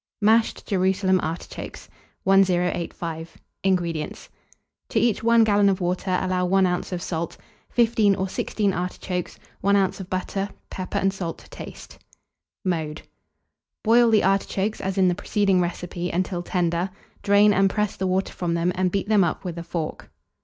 MASHED JERUSALEM ARTICHOKES. 1085. INGREDIENTS. To each 1 gallon of water allow 1 oz. of salt; 15 or 16 artichokes, 1 oz. butter, pepper and salt to taste. Mode. Boil the artichokes as in the preceding recipe until tender; drain and press the water from them, and beat them up with a fork.